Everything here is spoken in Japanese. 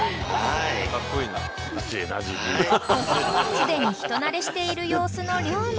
［すでに人なれしている様子のリョーマ］